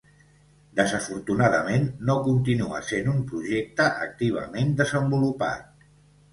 Desafortunadament, no continua sent un projecte activament desenvolupat.